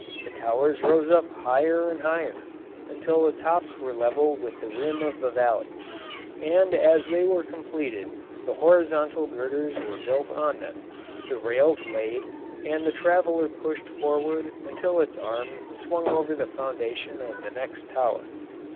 The towers rose up higher and higher, until the tops were level with the rim of the valley, and as they were completed the horizontal girders were built on them, the rails laid, and the traveller pushed forward until its arm swung over the foundation of the next tower.